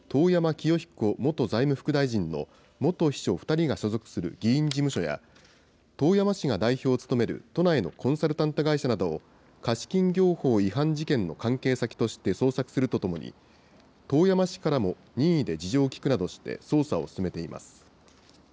東京地検特捜部はことし８月、公明党の衆議院議員だった遠山清彦元財務副大臣の元秘書２人が所属する議員事務所や、遠山氏が代表を務める都内のコンサルト会社などを貸金業法違反事件の関係先として捜索するとともに、遠山氏からも任意で事情を聴くなどして捜査を進めています。